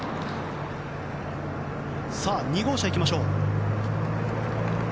２号車、いきましょう。